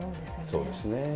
そうですね。